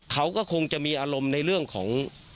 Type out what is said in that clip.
เขาก็คงจะมีอารมณ์ในเรื่องของ